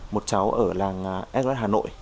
một cháu ở làng sos hà nội